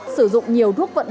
sử dụng nhiều thuốc chống chống